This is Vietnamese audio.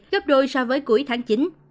gấp đôi so với cuối tháng chín